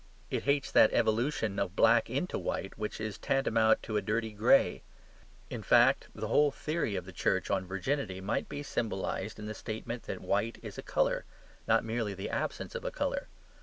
It hates that evolution of black into white which is tantamount to a dirty gray. In fact, the whole theory of the Church on virginity might be symbolized in the statement that white is a colour: not merely the absence of a colour.